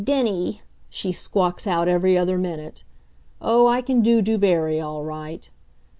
Denny!" she squawks out every other minute. Oh, I can do Du Barry all right!